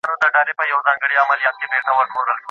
او دا ټول د زعفرانو له برکته.